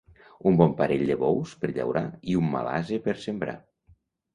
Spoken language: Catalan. Un bon parell de bous per llaurar i un mal ase per sembrar.